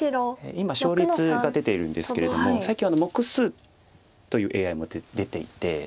今勝率が出ているんですけれども最近目数というＡＩも出ていて。